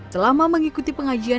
selama mengikuti pengajian